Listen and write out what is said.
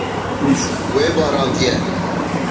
Wê barandiye.